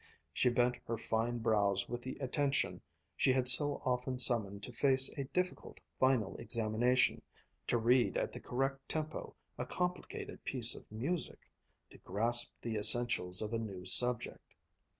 She bent her fine brows with the attention she had so often summoned to face a difficult final examination, to read at the correct tempo a complicated piece of music, to grasp the essentials of a new subject.